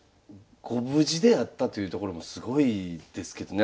ご無事であったというところもすごいですけどね